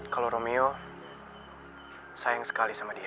kalau romeo sayang sekali sama dia